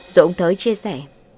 dũng thới chia sẻ